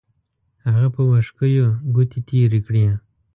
هغه په وښکیو ګوتې تېرې کړې.